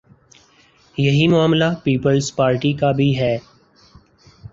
یہی معاملہ پیپلزپارٹی کا بھی ہے۔